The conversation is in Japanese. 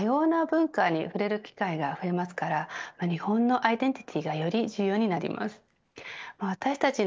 グローバル化が進むと多様な文化に触れる機会が増えますから日本のアイデンティティーがより重要になります。